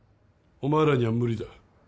お前らには無理だ。